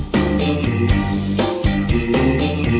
พูดสภาษา